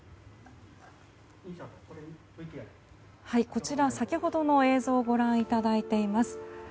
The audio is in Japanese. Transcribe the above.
こちら、先ほどの映像をご覧いただいています。